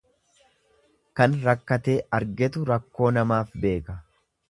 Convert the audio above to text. Kan rakkatee argetu rakkoo namaaf beeka.